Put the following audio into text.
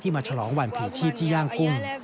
มาฉลองวันผีชีพที่ย่างกุ้ง